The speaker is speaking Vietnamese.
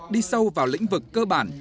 đi sâu vào lĩnh vực cơ bản